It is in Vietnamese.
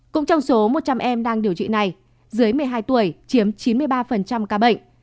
cũng trong số một trăm linh em đang điều trị này dưới một mươi hai tuổi chiếm chín mươi ba ca bệnh